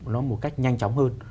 nó một cách nhanh chóng hơn